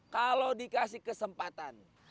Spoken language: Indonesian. kalau dikasih kesempatan